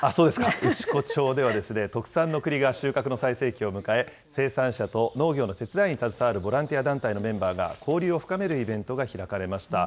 内子町では、くりが収穫の最盛期を迎え、生産者と農業の手伝いに携わるボランティアのメンバーが交流を深めるイベントが開かれました。